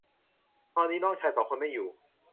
ตอนนี้น้องชายสองคนไม่อยู่